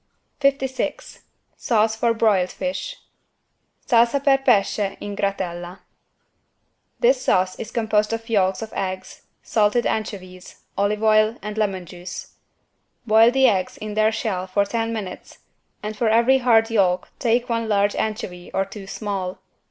56 SAUCE FOR BROILED FISH (Salsa per pesce in gratella) This sauce is composed of yolks of eggs, salted anchovies, olive oil and lemon juice. Boil the eggs in their shell for ten minutes and for every hard yolk take one large anchovy or two small.